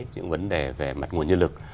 những vấn đề về mặt nguồn nhân lực